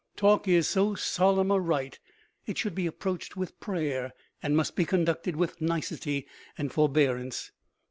Talk is so solemn a rite it should be approached with prayer and must be conducted with nicety and forbearance.